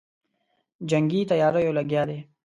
جنګي تیاریو لګیا دی.